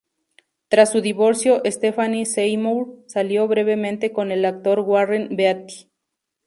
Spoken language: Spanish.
Tras su divorcio Stephanie Seymour salió brevemente con el actor Warren Beatty.